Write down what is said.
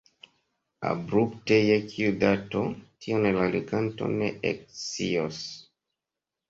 Abrupte je kiu dato, tion la leganto ne ekscios.